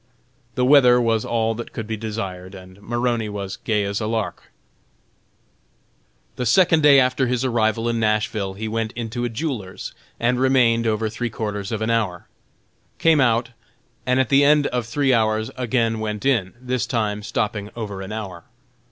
The weather was all that could be desired, and Maroney was "gay as a lark." The second day after his arrival in Nashville, he went into a jeweler's, and remained over three quarters of an hour: came out, and at the end of three hours again went in, this time stopping over an hour.